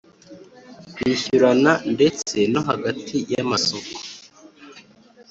kwishyurana ndetse no hagati yamasoko